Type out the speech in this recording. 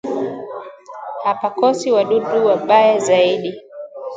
hapakosi wadudu wabaya zaidi